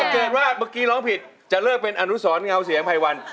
เกิดว่าเมื่อกี้ร้องผิดจะเลิกเป็นอนุสรเงาเสียงภัยวัน